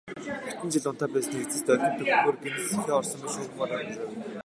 Хэдэн жил унтаа байсны эцэст олимп дөхөхөөр гэнэт сэхээ орсон мэт шуурмааргүй байна.